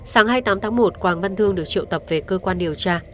sáng hai mươi tám tháng một quang văn thương được triệu tập về cơ quan điều tra